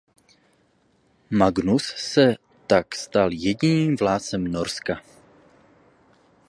Magnus se tak stal jediným vládcem Norska.